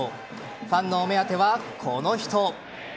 ファンのお目当ては、この人。